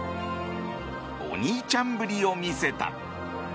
お兄ちゃんぶりを見せた。